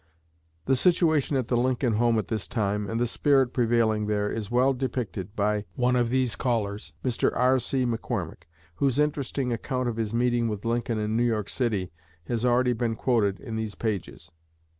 The situation at the Lincoln home at this time, and the spirit prevailing there, is well depicted by one of these callers, Mr. R.C. McCormick, whose interesting account of his meeting with Lincoln in New York City has already been quoted in these pages.